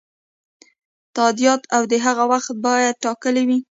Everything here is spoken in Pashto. تادیات او د هغو وخت باید ټاکلی وي.